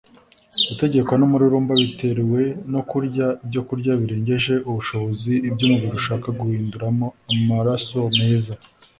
utegekwa n'umururumba bitewe no kurya ibyokurya birengeje ubushobozi ibyo umubiri ubasha guhinduramo amaraso meza